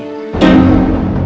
dia sudah menangkap saya